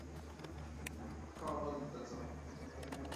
کابل ته ځم.